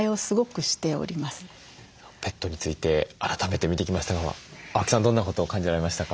ペットについて改めて見てきましたが青木さんどんなことを感じられましたか？